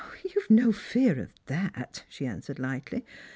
" You need have no fear of that," she answered lightly.